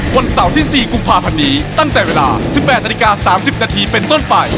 วันเสาร์ที่๔กุมภาพันธ์นี้ตั้งแต่เวลา๑๘นาฬิกา๓๐นาทีเป็นต้นไป